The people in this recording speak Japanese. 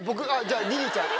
じゃあリリーちゃん？